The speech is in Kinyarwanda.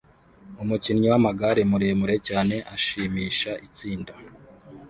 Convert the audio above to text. Umukinyi wamagare muremure cyane ashimisha itsinda